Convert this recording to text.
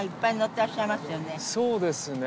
そうですね。